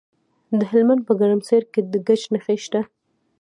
د هلمند په ګرمسیر کې د ګچ نښې شته.